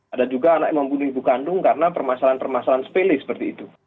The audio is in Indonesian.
ada juga anak yang membunuh ibu kandung karena permasalahan permasalahan sepele seperti itu